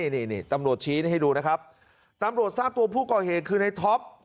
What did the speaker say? นี่ตำรวจชี้ให้ดูนะครับตำรวจทราบตัวผู้ก่อเหตุคือในท็อป